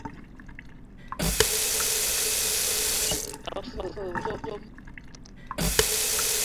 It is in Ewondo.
Təgə fəg wog dzom.